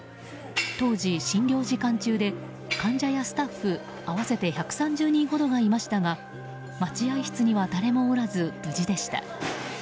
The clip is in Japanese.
当時、診療時間中で患者やスタッフ合わせて１３０人ほどがいましたが、待合室には誰もおらず無事でした。